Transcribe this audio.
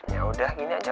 yaudah gini aja